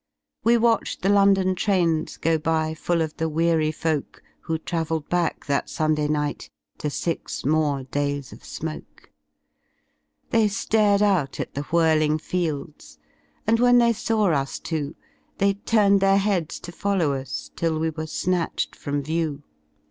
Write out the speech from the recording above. We watched the London trains go by Full of the weary folk. Who travelled back that Sunday night To six more days of smoke. They Glared out at the whirling fields, And when they saw us two. They turned their heads to follow us Till we were snatched from view.